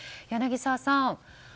柳澤さん